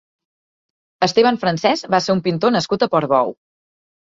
Esteban Francés va ser un pintor nascut a Portbou.